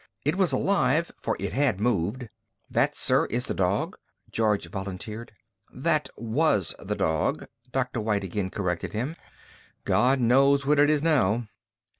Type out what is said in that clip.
It was alive, for it had moved. "That, sir, is the dog," George volunteered. "That was the dog," Dr. White again corrected him. "God knows what it is now."